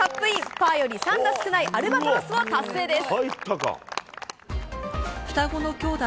パーより３打少ないアルバトロスを達成です。